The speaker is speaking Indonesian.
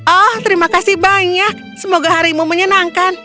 oh terima kasih banyak semoga harimu menyenangkan